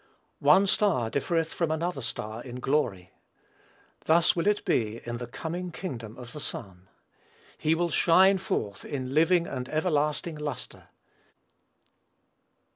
"One star differeth from another star in glory." Thus will it be in the coming kingdom of the Son. He will shine forth in living and everlasting lustre.